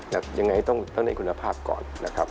อย่างไรต้องได้คุณภาพก่อน